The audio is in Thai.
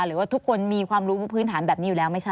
หรือว่าทุกคนมีความรู้พื้นฐานแบบนี้อยู่แล้วไม่ใช่